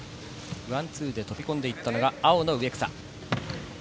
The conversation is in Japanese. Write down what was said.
ワンツーで飛び込んでいった植草。